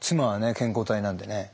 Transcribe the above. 健康体なんでね。